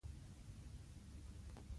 د پیرود ځای کې ښه نظم موجود و.